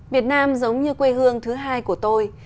việt nam giống như quê hương thứ hai của tôi